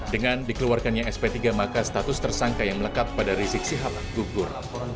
dengan dikeluarkannya sp tiga maka status tersangka yang melekap pada risik sihat gugur